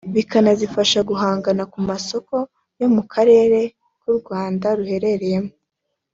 bikanazifasha guhangana ku masoko yo mu karere u Rwanda ruherereyemo